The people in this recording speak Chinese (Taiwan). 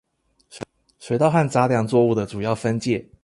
水稻和雜糧作物的主要分界